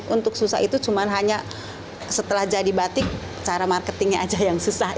untuk susah itu cuma hanya setelah jadi batik cara marketingnya aja yang susah